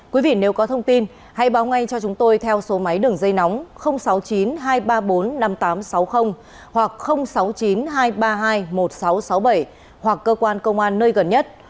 quý vị nếu có thông tin hãy báo ngay cho chúng tôi theo số máy đường dây nóng sáu mươi chín hai trăm ba mươi bốn năm nghìn tám trăm sáu mươi hoặc sáu mươi chín hai trăm ba mươi hai một nghìn sáu trăm sáu mươi bảy hoặc cơ quan công an nơi gần nhất